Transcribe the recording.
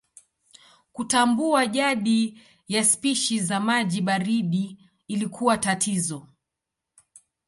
Kutambua jadi ya spishi za maji baridi ilikuwa tatizo.